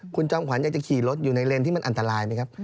คุณจอมขวัญอยากจะขี่รถอยู่ในเลนที่มันอันตรายไหมครับ